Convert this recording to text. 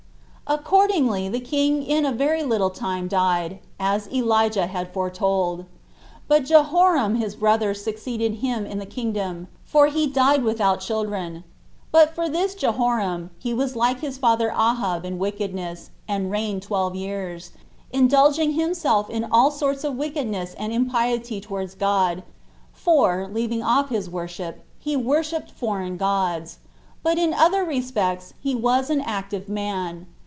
2. Accordingly the king in a very little time died, as Elijah had foretold; but Jehoram his brother succeeded him in the kingdom, for he died without children: but for this Jehoram, he was like his father Ahab in wickedness, and reigned twelve years, indulging himself in all sorts of wickedness and impiety towards God, for, leaving off his worship, he worshipped foreign gods; but in other respects he was an active man.